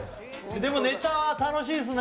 でもネタは楽しいっすね。